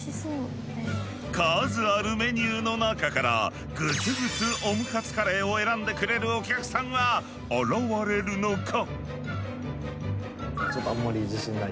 数あるメニューの中からグツグツオムカツカレーを選んでくれるお客さんは現れるのか？